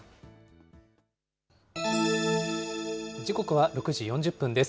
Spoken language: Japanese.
時刻は６時４０分です。